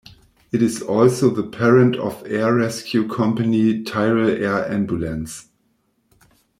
It is also the parent of air rescue company Tyrol Air Ambulance.